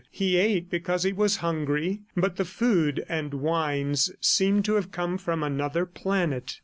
He ate because he was hungry, but the food and wines seemed to have come from another planet.